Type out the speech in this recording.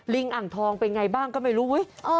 อ่างทองเป็นไงบ้างก็ไม่รู้